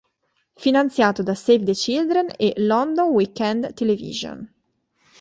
Finanziato da Save the Children, e London Weekend Television.